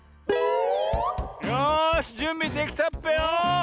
よしじゅんびできたっぺよ！